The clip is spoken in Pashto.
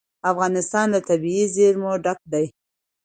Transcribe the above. افغانستان له طبیعي زیرمې ډک دی.